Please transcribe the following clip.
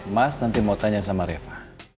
mas nanti mau tanya sama reva